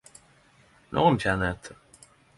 Når ein kjenner etter